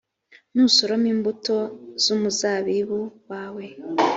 nusoroma imbuto z’umuzabibu wawe,